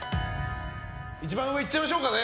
一番上いっちゃいましょうかね。